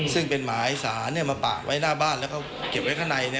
ซึ่งเป็นหมายสารมาปะไว้หน้าบ้านแล้วเขาเก็บไว้ข้างใน